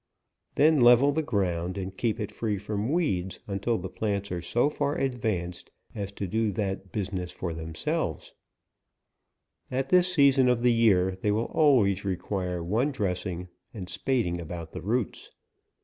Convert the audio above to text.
Then level the ground, and keep it free from weeds, until the plants are so far advanced as to do that business for themselves, At this season of the year, th«y will always re quire one dressing and spading about the roots.